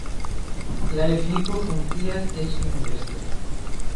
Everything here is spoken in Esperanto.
La efiko funkcias eĉ inverse.